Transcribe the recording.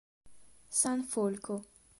San Folco